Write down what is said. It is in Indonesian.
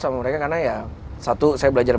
sama mereka karena ya satu saya belajar